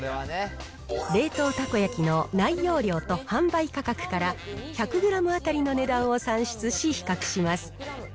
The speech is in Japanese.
冷凍たこ焼きの内容量と販売価格から、１００グラム当たりの値段を算出し、比較します。